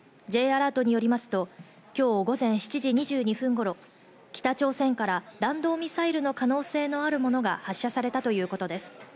Ｊアラートによりますと、午前７時２２分頃、北朝鮮から弾道ミサイルの可能性のあるものが発射されたということです。